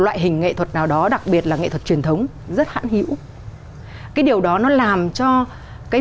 loại hình nghệ thuật nào đó đặc biệt là nghệ thuật truyền thống rất hãn hữu cái điều đó nó làm cho cái